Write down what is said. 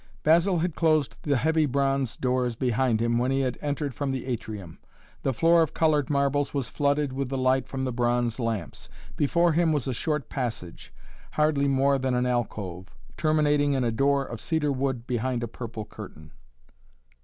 Basil had closed the heavy bronze doors behind him when he had entered from the atrium. The floor of colored marbles was flooded with the light from the bronze lamps. Before him was a short passage, hardly more than an alcove, terminating in a door of cedarwood behind a purple curtain.